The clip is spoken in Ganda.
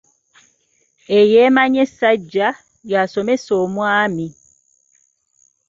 Eyeemanyi essajja, y'asomesa omwami.